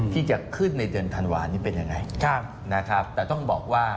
ที่จะขึ้นในเดือนธันวานี่เป็นยังไงครับนะครับแต่ต้องบอกว่า